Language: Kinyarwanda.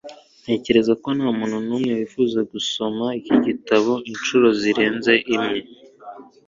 Ntekereza ko ntamuntu numwe wifuza gusoma iki gitabo inshuro zirenze imwe.